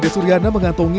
dede suryana mengantongi